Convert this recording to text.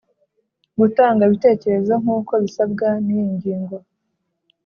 gutanga ibitekerezo nk uko bisabwa n iyi ngingo